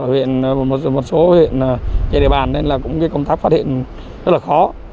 huyện một số huyện trên địa bàn nên là cũng công tác phát hiện rất là khó